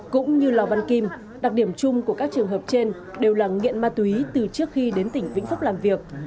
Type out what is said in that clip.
cũng như lò văn kim đặc điểm chung của các trường hợp trên đều là nghiện ma túy từ trước khi đến tỉnh vĩnh phúc làm việc